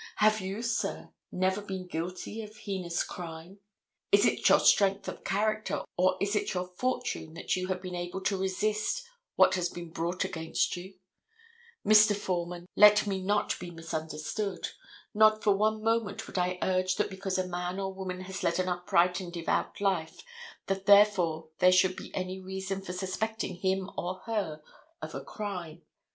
Have you, sir, never been guilty of heinous crime? Is it your strength of character or is it your fortune that you have been able to resist what has been brought against you? Mr. Foreman, let me not be misunderstood. Not for one moment would I urge that because a man or a woman has led an upright and devout life that therefore there should be any reason for suspecting him or her of a crime.